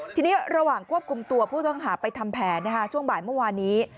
ทีนี้ระหว่างควบคุมตัวผู้ต้องหาไปทำแผนช่วงบ่ายเมื่อวานนี้